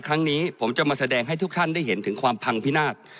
ครั้งนี้ผมจะมาแสดงให้ทุกท่านได้เห็นถึงความพังพินาศ